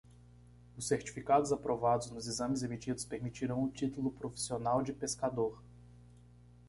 Os certificados aprovados nos exames emitidos permitirão o título profissional de pescador.